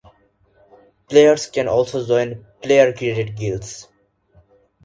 Players can also join player-created guilds.